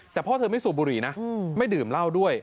แต่พ่อเธอไม่สูบบุหรี่นะไม่ดื่มเหล้าด้วย